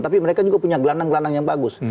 tapi mereka juga punya gelandang gelandang yang bagus